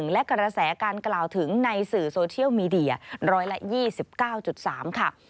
และกระแสการกล่าวถึงในสื่อโซเชียลมีเดีย๑๒๙๓ค่ะ